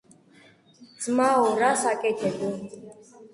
- ძმაო, რას აკეთებო?